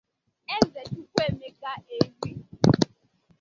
Eze Chukwuemeka Eri